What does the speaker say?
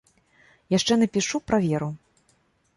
Яшчэ напішу пра веру.